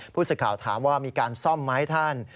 ผู้สื่อข่าวถามว่ามีการซ่อมไหมท่าน